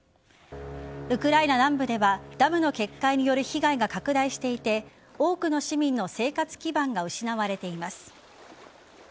ウクライナ南部ではダムの決壊による被害が拡大していて多くの市民の生活基盤が失われています。